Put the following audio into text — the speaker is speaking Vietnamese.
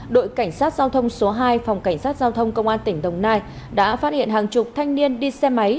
đội cảnh sát giao thông số hai phòng cảnh sát giao thông công an tỉnh đồng nai đã phát hiện hàng chục thanh niên đi xe máy